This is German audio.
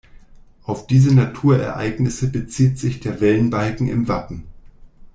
Auf diese Naturereignisse bezieht sich der Wellenbalken im Wappen.